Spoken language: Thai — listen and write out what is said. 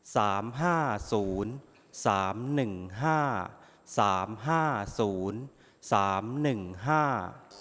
สามห้าศูนย์สามหนึ่งห้าสามห้าศูนย์สามหนึ่งห้า